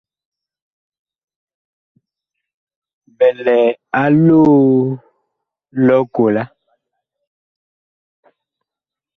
Bi lɛ a loo lʼ ɔkola.